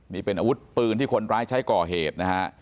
นี่เป็นอาวุธปืนที่คนร้ายใช้ก่อเหตุนะฮะ